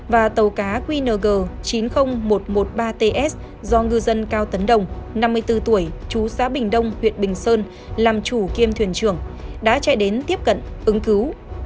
và tàu cá qng chín mươi nghìn một trăm một mươi ba ts do ngư dân cao tấn đồng năm mươi bốn tuổi chú xã bình đông huyện bình sơn làm chủ kiêm thuyền trưởng đã chạy đến tiếp cận ứng cứu